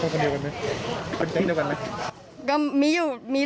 เป็นคนเดียวกันไหม